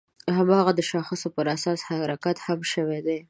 د هماغه شاخصو پر اساس حرکت هم شوی دی.